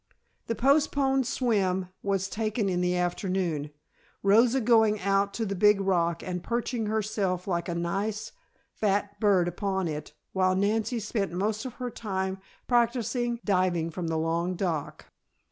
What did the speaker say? The postponed swim was taken in the afternoon, Rosa going out to the big rock and perching herself like a nice, fat bird upon it, while Nancy spent most of her time practising diving from the long dock.